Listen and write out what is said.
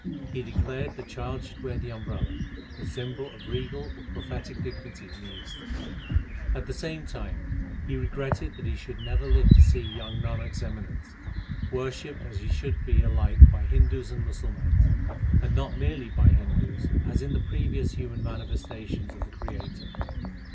He declared the child should wear the umbrella, the symbol of regal or prophetic dignity in the East. At the same time he regretted that he should never live to see young Nanak s eminence, worshipped as he should be alike by Hindus and Musalmans, and not merely by Hindus SIKH. I B 2 THE SIKH RELIGION as in the previous human manifestations of the Creator.